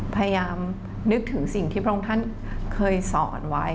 พยายามนึกถึงสิ่งที่พระองค์ท่านเคยสอนไว้